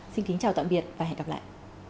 xin kính chào tạm biệt và hẹn gặp lại